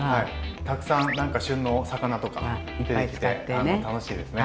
たくさん旬の魚とか出てきて楽しいですね。